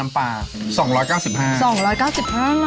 กะเพราทอดไว้